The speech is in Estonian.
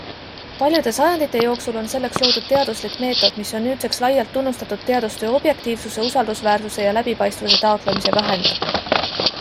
Paljude sajandite jooksul on selleks loodud teaduslik meetod, mis on nüüdseks laialt tunnustatud teadustöö objektiivsuse, usaldusväärsuse ja läbipaistvuse taotlemise vahend.